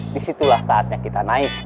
disitulah saatnya kita naik